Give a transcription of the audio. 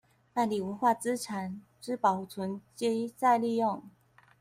辦理文化資產之保存及再利用